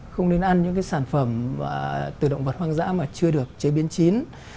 không nên ăn những sản phẩm từ động vật hoang dã mà chưa được chế biến chín